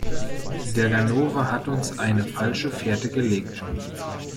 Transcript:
Der Ganove hat uns eine falsche Fährte gelegt.